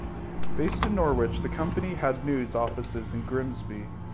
Based in Norwich the company had news offices in Grimsby.